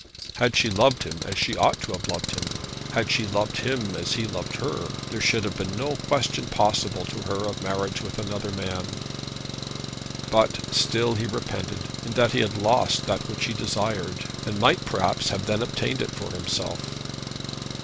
Had she loved him as she ought to have loved him, had she loved him as he loved her, there should have been no question possible to her of marriage with another man. But still he repented, in that he had lost that which he desired, and might perhaps have then obtained it for himself.